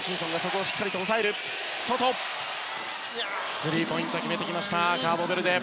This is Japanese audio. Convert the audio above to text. スリーポイント、決めてきましたカーボベルデ。